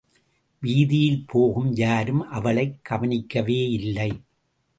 வீதியில் போகும் யாரும் அவளைக் கவனிக்கவேயில்லை.